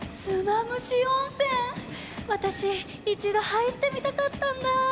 わたしいちどはいってみたかったんだ。